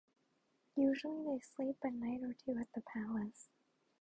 Usually they sleep a night or two at the palace.